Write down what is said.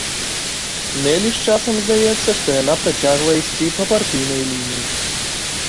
Нэлі ж часам здаецца, што яна працягвае ісці па партыйнай лініі.